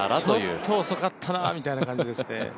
ちょっと遅かったなみたいな感じですね。